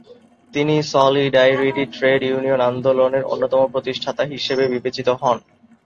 তিনি solidarity trade-union আন্দোলনের অন্যতম প্রতিষ্ঠাতা হিসেবে বিবেচিত হন।